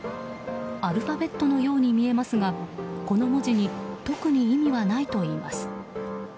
アルファベットのように見えますが、この文字に特に意味はないといいます。